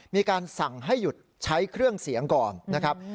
มีการสั่งให้หยุดใช้เครื่องเสียงก่อนนะครับ